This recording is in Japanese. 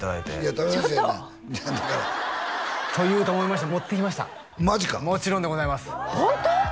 「食べさせて」じゃないだからと言うと思いまして持ってきましたマジかもちろんでございますホント？